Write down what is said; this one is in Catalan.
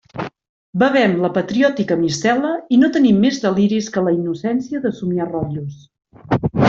Bevem la patriòtica mistela i no tenim més deliris que la innocència de somiar rotllos.